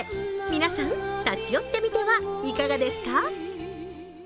皆さん、立ち寄ってみてはいかがですか？